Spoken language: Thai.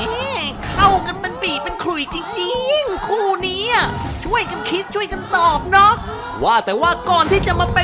แหมเข้ากันเป็นปีดเป็นขุยจริงคู่นี้